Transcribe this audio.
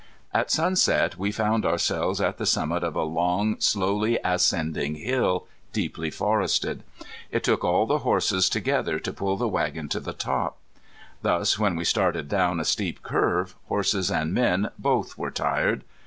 At sunset we found ourselves at the summit of a long slowly ascending hill, deeply forested. It took all the horses together to pull the wagon to the top. Thus when we started down a steep curve, horses and men both were tired.